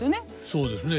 そうですね。